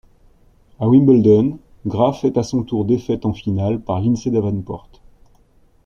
À Wimbledon, Graf est à son tour défaite en finale par Lindsay Davenport.